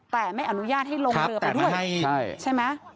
แต่ไม่อนุญาตให้ลงเรือไปด้วยใช่ไหม